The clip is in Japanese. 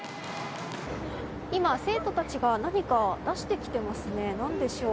今、生徒たちが何か出してきていますね。